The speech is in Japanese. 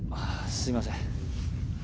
すいません！